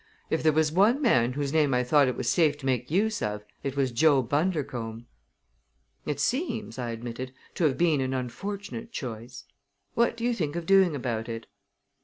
If there was one man whose name I thought I was safe to make use of it was Joe Bundercombe!" "It seems," I admitted, "to have been an unfortunate choice. What do you think of doing about it?"